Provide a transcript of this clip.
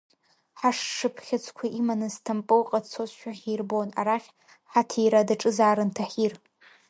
Ҳашшыԥхьыӡқәа иманы Сҭампылҟа дцозшәа ҳирбон, арахь ҳаҭира даҿызаарын Таҳир!